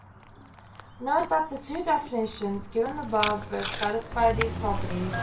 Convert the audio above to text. Note that the two definitions given above both satisfy these properties.